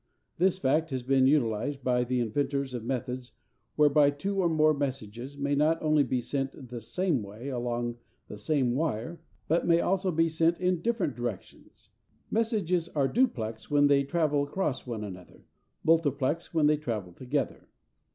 This fact has been utilised by the inventors of methods whereby two or more messages may not only be sent the same way along the same wire, but may also be sent in different directions. Messages are "duplex" when they travel across one another, "multiplex" when they travel together.